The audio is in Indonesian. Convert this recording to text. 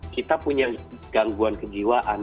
kita punya gangguan kejiwaan